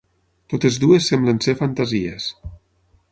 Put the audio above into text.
Totes dues semblen ser fantasies.